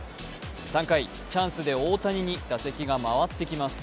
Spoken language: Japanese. ３回、チャンスで大谷に打席が回ってきます。